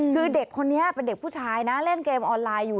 คือเด็กคนนี้เป็นเด็กผู้ชายนะเล่นเกมออนไลน์อยู่